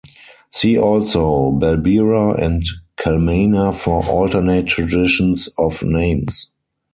See also: Balbira and Kalmana for alternate traditions of names.